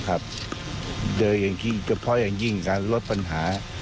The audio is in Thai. นะครับเดยังที่เฉพาะอย่างยิ่งการลดปัญหา